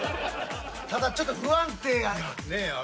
ただちょっと不安定やな。